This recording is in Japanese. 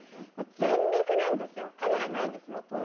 全力なんです、カメラないです。